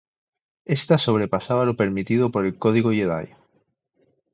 Esta sobrepasaba lo permitido por el Código Jedi.